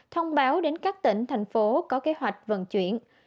thông báo đến các tỉnh thành phố có kế hoạch vận chuyển